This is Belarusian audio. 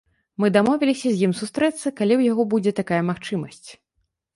Мы дамовіліся з ім сустрэцца, калі ў яго будзе такая магчымасць.